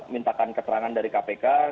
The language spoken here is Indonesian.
minta keterangan dari kpk